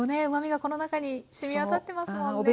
うまみがこの中にしみ渡ってますもんね。